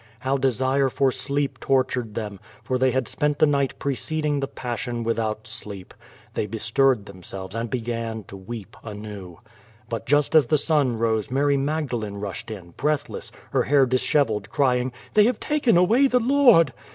How desire for slrep tortured them, for they had spent the night preceding the Passion without sleep. They bestirred themselves and began to weep anew. Hut just as the sun rose Mary Magdalene rushed in, breathless, lier hair dishevel ed, crying, '*They have taken away the Lord!''